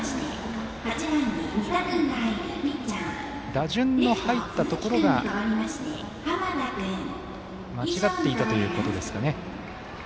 打順の入ったところが間違っていたということですかね。